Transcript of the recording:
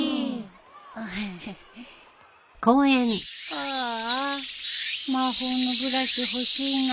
ああ魔法のブラシ欲しいな。